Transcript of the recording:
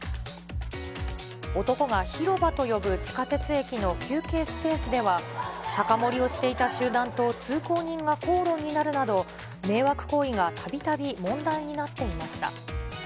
男が広場と呼ぶ地下鉄駅の休憩スペースでは、酒盛りをしていた集団と通行人が口論になるなど、迷惑行為がたびたび問題になっていました。